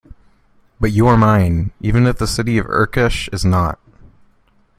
But you are mine, even if the city of Urkesh is not.